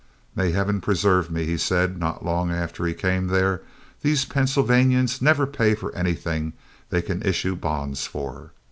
"May heaven preserve me," he said, not long after he came there, "these Pennsylvanians never pay for anything they can issue bonds for."